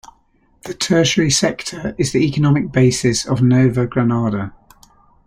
The Tertiary sector is the economic basis of Nova Granada.